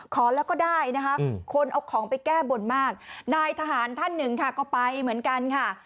ขอแล้วก็ได้นะคะคนเอาของไปแก้บนมากนายทหารท่านหนึ่งค่ะก็ไปเหมือนกันค่ะ